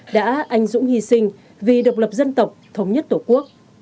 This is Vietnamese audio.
đã anh dũng hy sinh vì độc lập dân tộc thống nhất tổ quốc